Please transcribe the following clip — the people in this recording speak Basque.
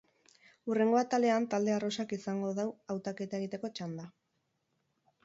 Hurrengo atalean talde arrosak izango du hautaketa egiteko txanda.